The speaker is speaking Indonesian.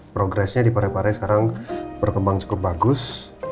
progresnya di parepare sekarang berkembang cukup bagus